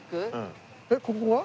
えっここが？